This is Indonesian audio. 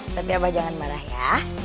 tapi apa jangan marah ya